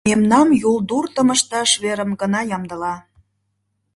— Мемнам юлдуртым ышташ верым гына ямдыла.